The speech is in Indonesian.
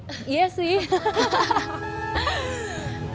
kemaren aku pergi sama uyan ke moko